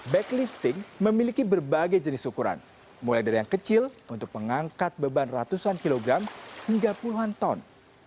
backlifting memiliki berbagai jenis ukuran mulai dari yang kecil untuk mengangkat beban ratusan kilogram hingga puluhan ton